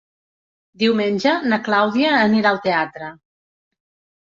Diumenge na Clàudia anirà al teatre.